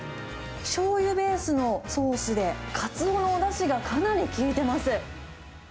しょうゆベースのソースでカツオのおだしがかなり効いてます。